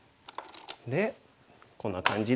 でこんな感じで。